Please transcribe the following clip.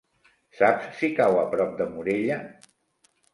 Saps si cau a prop de Morella?